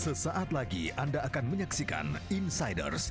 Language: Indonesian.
sesaat lagi anda akan menyaksikan insiders